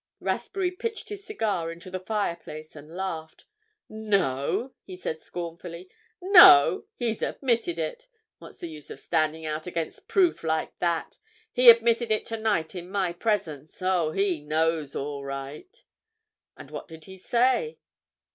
Rathbury pitched his cigar into the fireplace and laughed. "Know!" he said scornfully. "Know? He's admitted it. What was the use of standing out against proof like that. He admitted it tonight in my presence. Oh, he knows all right!" "And what did he say?"